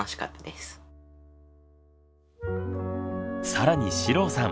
更に四郎さん